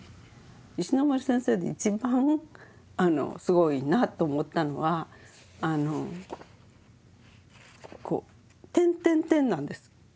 石森先生で一番すごいなと思ったのはあの「」なんです。